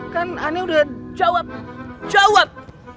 kan ana udah jawab jawab